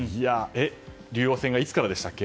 竜王戦がいつからでしたっけ？